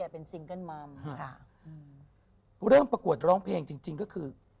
พูดเรื่องประกวดร้องเพลงจริงก็คือ